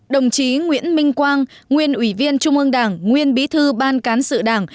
đồng chí nguyễn minh quang nguyên ủy viên trung ương đảng nguyên bí thư ban cán sự đảng